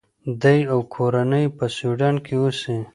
دی او کورنۍ یې په سویډن کې اوسي.